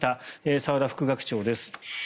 澤田副学長です。